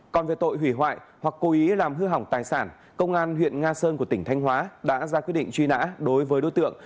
còn về tội hủy hoại hoặc cố ý làm hư hỏng tài sản công an huyện nga sơn của tỉnh thanh hóa đã ra quyết định truy nã đối với đối tượng